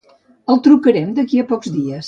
El trucarem d'aquí a pocs dies.